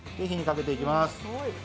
火にかけていきます。